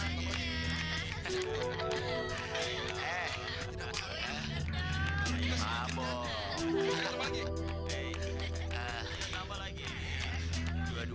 meres bos besok terima jadi